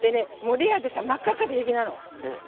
レアで真っ赤かで平気なの。